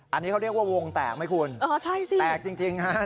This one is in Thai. อันนี้เขาเรียกว่าวงแตกไหมคุณอ๋อใช่สิแตกจริงฮะ